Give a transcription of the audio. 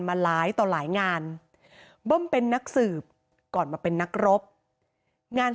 มาหลายต่อหลายงานเบิ้มเป็นนักสืบก่อนมาเป็นนักรบงาน